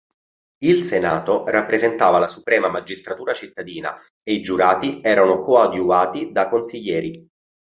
Il Senato rappresentava la suprema magistratura cittadina e i giurati erano coadiuvati da consiglieri.